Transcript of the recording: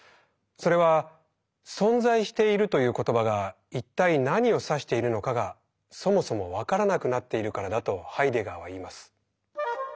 それは「存在している」という言葉が一体何を指しているのかがそもそも分からなくなっているからだとハイデガーは言います。